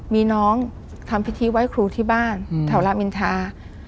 มีน้องทำพิธีไว้ครูที่บ้านแถวรามอินทา